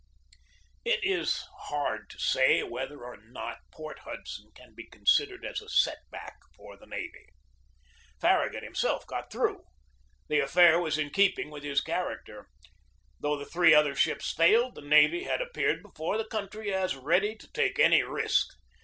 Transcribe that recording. It is hard to say whether or not Port Hudson can be considered as a set back for the navy. Far ragut himself got through. The affair was in keep ing with his character. Though the three other ships failed, the navy had appeared before the coun try as ready to take any risk.